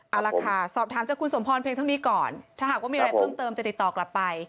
เอาล่ะค่ะสอบถามจากคุณสมพรเพียงเท่านี้ก่อนถ้าหากว่ามีอะไรเพิ่มเติมจะติดต่อกลับไป